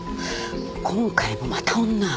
今回もまた女？